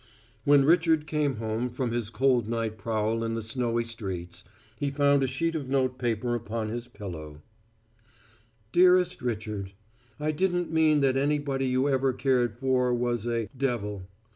When Richard came home from his cold night prowl in the snowy streets, he found a sheet of note paper upon his pillow: "Dearest Richard, I didn't mean that anybody you ever cared for was a d l.